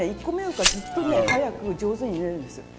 １個めよかずっと早く上手に縫えるんです。